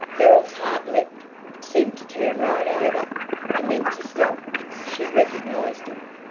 Beryl's heart leapt; it seemed to turn right over, and then to stop. She recognized him.